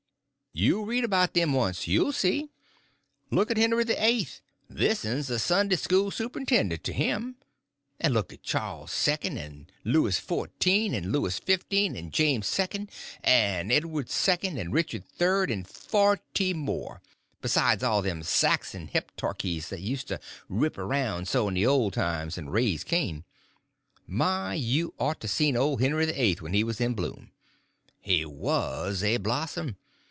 "You read about them once—you'll see. Look at Henry the Eight; this 'n 's a Sunday school Superintendent to him. And look at Charles Second, and Louis Fourteen, and Louis Fifteen, and James Second, and Edward Second, and Richard Third, and forty more; besides all them Saxon heptarchies that used to rip around so in old times and raise Cain. My, you ought to seen old Henry the Eight when he was in bloom. He was a blossom.